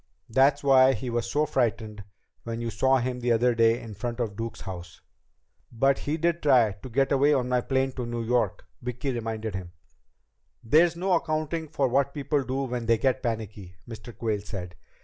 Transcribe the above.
That's why he was so frightened when you saw him that day in front of Duke's house." "But he did try to get away on my plane to New York," Vicki reminded him. "There's no accounting for what people do when they get panicky," Mr. Quayle said.